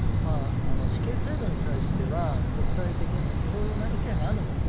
死刑制度に対しては、国際的にもいろいろな意見があるんです。